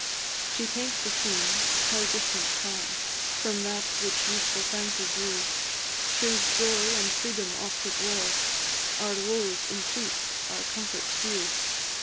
She paints the scene how different far From that which youthful fancy drew! Shews joy and freedom oft at war, Our woes increased, our comforts few.